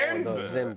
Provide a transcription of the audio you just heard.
全部。